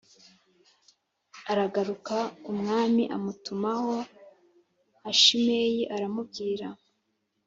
Aragaruka umwami atumaho a shimeyi aramubwira